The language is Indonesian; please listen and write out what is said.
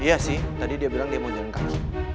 iya sih tadi dia bilang dia mau jalan ke aku